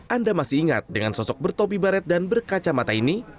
anda masih ingat dengan sosok bertobi baret dan berkacamata ini